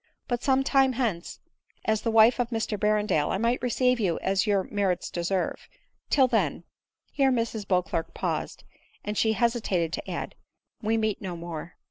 But some time hence, a>s the wife of Mr Berrendale, I might receive you as your merits deserve ; till then —" here Mrs Beauclerc parsed, and she hesi tated to add, " we meet no more."